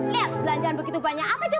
lihat belanjaan begitu banyak apa coba